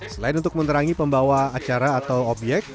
selain untuk menerangi pembawa acara atau obyek